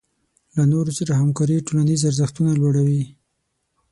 له نورو سره همکاري ټولنیز ارزښتونه لوړوي.